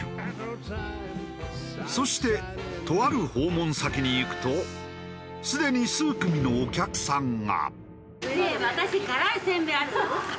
そしてとある訪問先に行くとすでに数組のお客さんが。